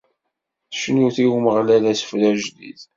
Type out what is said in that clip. Cnut i Umeɣlal asefru ajdid.